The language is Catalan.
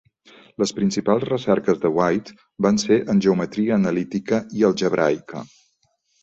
Les principals recerques de White van ser en geometria analítica i algebraica.